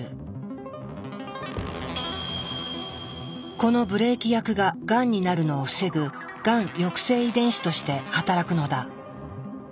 このブレーキ役ががんになるのを防ぐがん抑制遺伝子として働くのだ。